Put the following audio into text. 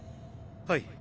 はい。